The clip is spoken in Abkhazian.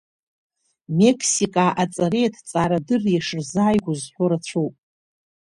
Мексикаа аҵареи аҭҵаарадырреи ишырзааигәо зҳәо рацәоуп.